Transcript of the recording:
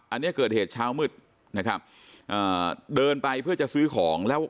อันนี้เกิดเหตุเช้ามืดนะครับอ่าเดินไปเพื่อจะซื้อของแล้ว